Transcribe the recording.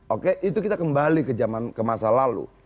oke itu kita kembali ke masa lalu